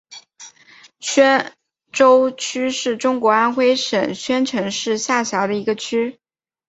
宣州区是中国安徽省宣城市下辖的一个区。